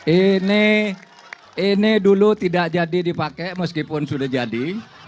ini dulu tidak jadi dipakai meskipun sudah jadi